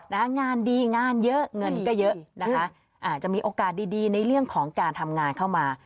งานดีงานเยอะเงินก็เยอะนะคะอาจจะมีโอกาสดีดีในเรื่องของการทำงานเข้ามา